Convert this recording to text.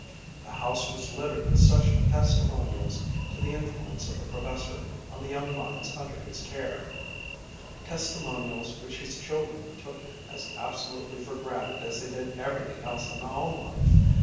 The house was littered with such testimonials to the influence of the Professor on the young minds under his care, testimonials which his children took as absolutely for granted as they did everything else in the home life.